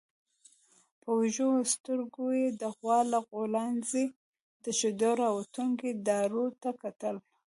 په وږو سترګويې د غوا له غولانځې د شيدو راوتونکو دارو ته کتل.